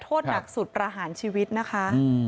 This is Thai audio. โทษหนักสุดประหารชีวิตนะคะ